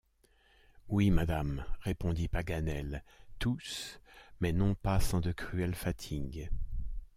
Oui, madame, répondit Paganel ; tous, mais non pas sans de cruelles fatigues.